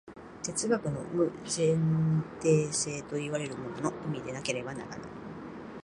哲学の無前提性といわれるものの意味でなければならぬ。